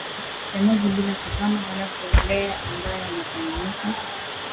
ya maji bila kuzama wala kuelea ambaye anafahamika